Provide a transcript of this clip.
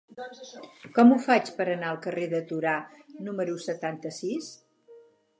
Com ho faig per anar al carrer de Torà número setanta-sis?